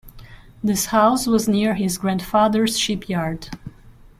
This house was near his grandfathers ship yard.